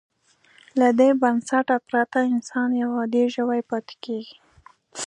له دې بنسټه پرته انسان یو عادي ژوی پاتې کېږي.